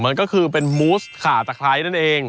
มันก็คือเป็นมูสขาตะไคร้นั่นเอง